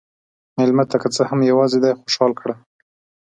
مېلمه ته که څه هم یواځې دی، خوشحال کړه.